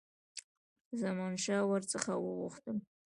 زمانشاه ور څخه وغوښتل.